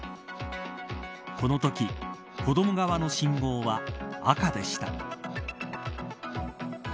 このとき、子ども側の信号は赤でした。